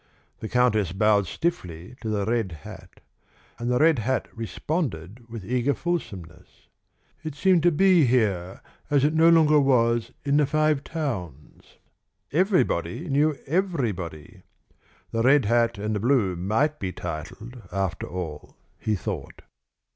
The countess bowed stiffly to the red hat, and the red hat responded with eager fulsomeness. It seemed to be here as it no longer was in the Five Towns: everybody knew everybody! The red hat and the blue might be titled, after all, he thought.